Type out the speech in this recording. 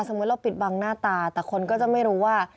เราปิดบังหน้าตาแต่คนก็จะไม่รู้ว่า